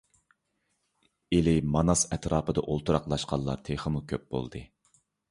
ئىلى، ماناس ئەتراپىدا ئولتۇراقلاشقانلار تېخىمۇ كۆپ بولدى.